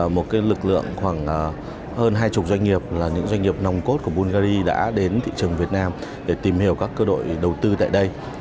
một cái lực lượng khoảng hơn hai chục doanh nghiệp là những doanh nghiệp nồng cốt của bulgari đã đến thị trường việt nam để tìm hiểu các cơ đội đầu tư tại đây